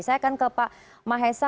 saya akan ke pak mahesa